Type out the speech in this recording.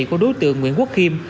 của đối tượng nguyễn quốc khiêm